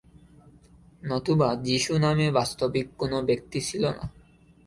নতুবা যীশু নামে বাস্তবিক কোন ব্যক্তি ছিল না।